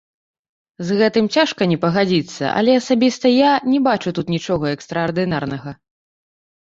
З гэтым цяжка не пагадзіцца, але асабіста я не бачу тут нічога экстраардынарнага.